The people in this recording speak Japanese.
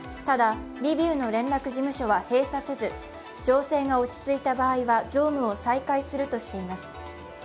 ただ、リビウの連絡事務所は閉鎖せず、情勢が落ち着いた場合は業務を再開するとしています。